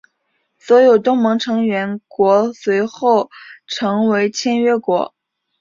所有东盟成员国随后成为签约国。